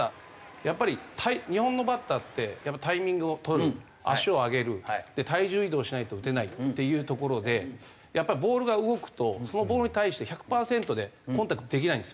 やっぱり日本のバッターってタイミングを取る足を上げる体重移動しないと打てないっていうところでやっぱりボールが動くとそのボールに対して１００パーセントでコンタクトできないんですよ。